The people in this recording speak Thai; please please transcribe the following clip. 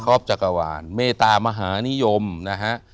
จักรจักรวาลเมตามหานิยมนะฮะ